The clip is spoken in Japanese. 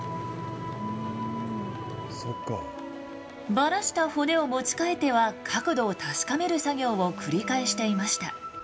ばらした骨を持ち替えては角度を確かめる作業を繰り返していました。